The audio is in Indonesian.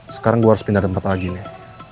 sekarang gue harus pindah tempat lagi nih